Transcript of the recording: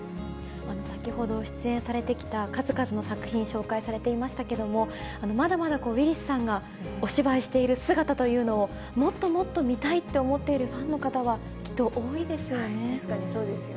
先ほど、出演されてきた数々の作品、紹介されていましたけれども、まだまだウィリスさんがお芝居している姿というのを、もっともっと見たいって思ってるファンの方は、きっと多いですよ